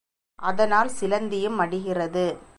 அதனால் சிலந்தியும் மடிகிறது.